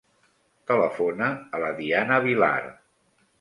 Telefona a la Diana Vilar.